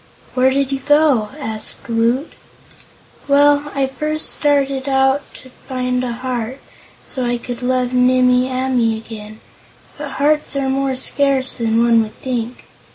"Where did you go?" asked Woot. "Well, I first started out to find a heart, so I could love Nimmie Amee again; but hearts are more scarce than one would think.